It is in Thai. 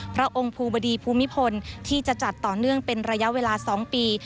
พระองค์ภูบดีภูมิพลที่จะจัดต่อเนื่องเป็นระยะเวลา๒ปี